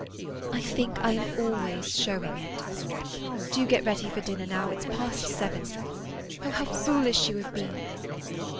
"I think I am always showing it. Do get ready for dinner now; it's past seven. Oh, how foolish you have been!"